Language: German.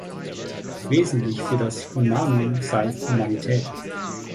Wesentlich für das Humanum sei "Humanität".